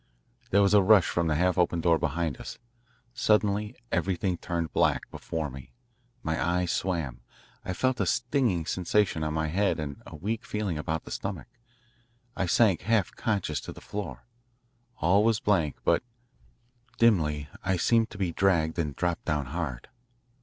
There was a rush from the half open door behind us. Suddenly everything turned black before me; my eyes swam; I felt a stinging sensation on my head and a weak feeling about the stomach; I sank half conscious to the floor. All was blank, but, dimly, I seemed to be dragged and dropped down hard.